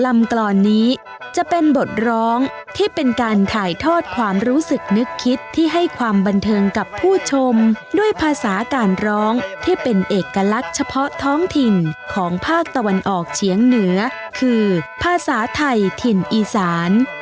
มีความรู้สึกนึกคิดที่ให้ความบันเทิงกับผู้ชมด้วยภาษาการร้องที่เป็นเอกลักษณ์เฉพาะท้องถิ่นของภาคตะวันออกเฉียงเหนือคือภาษาไทยถิ่นอีสาน